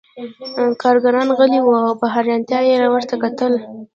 کارګران غلي وو او په حیرانتیا یې ورته کتل